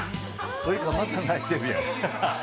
ウイカまた泣いてるやん。